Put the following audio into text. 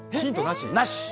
なし。